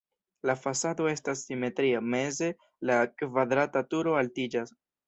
La fasado estas simetria, meze la kvadrata turo altiĝas.